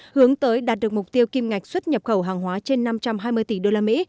hướng tới đạt được mục tiêu kim ngạch xuất nhập khẩu hàng hóa trên năm trăm hai mươi tỷ đô la mỹ